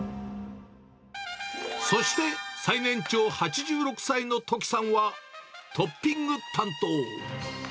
そして最年長８６歳のトキさんは、トッピング担当。